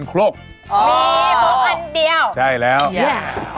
อ๋อมีครุกอันเดียวใช่แล้วแย่